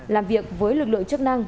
làm việc với lực lượng chức năng